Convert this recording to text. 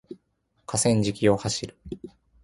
河川敷を走る